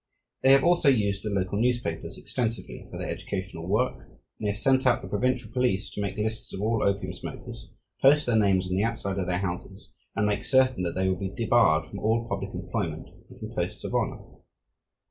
They have also used the local newspapers extensively for their educational work; and they have sent out the provincial police to make lists of all opium smokers, post their names on the outside of their houses, and make certain that they will be debarred from all public employment and from posts of honour.